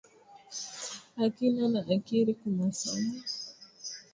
Akina na akiri kumasomo